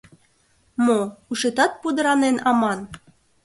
Мо, ушетат пудыранен аман...